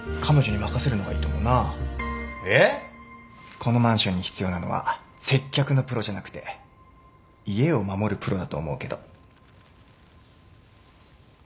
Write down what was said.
このマンションに必要なのは接客のプロじゃなくて家を守るプロだと思うけど